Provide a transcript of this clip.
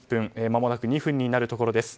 まもなく２分になるところです。